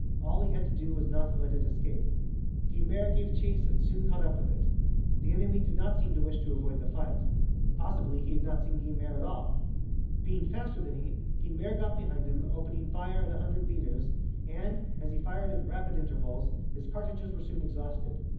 All he had to do was not to let it escape. Guynemer gave chase and soon caught up with it. The enemy did not seem to wish to avoid the fight. Possibly he had not seen Guynemer at all. Being faster than he, Guynemer got behind him, opening fire at 100 meters,[A] and, as he fired at rapid intervals, his cartridges were soon exhausted.